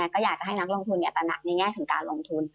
ก็อยากจะให้นักลงทุนตระหนักในแง่ถึงการลงทุน